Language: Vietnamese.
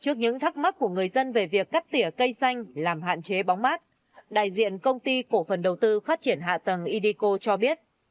trước những thắc mắc của người dân về việc cắt tỉa cây xanh làm hạn chế bóng mát đại diện công ty cổ phần đầu tư phát triển hạ tầng ideco cho biết